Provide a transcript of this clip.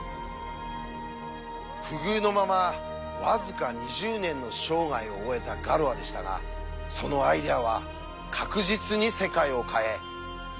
不遇のまま僅か２０年の生涯を終えたガロアでしたがそのアイデアは確実に世界を変え今も生きている。